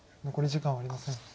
残り時間はありません。